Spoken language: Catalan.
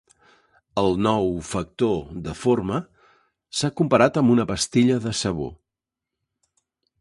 El nou factor de forma s'ha comparat amb una pastilla de sabó.